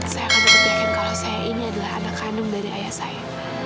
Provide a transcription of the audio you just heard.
saya akan berpikir kalau saya ini adalah anak kandung dari ayah saya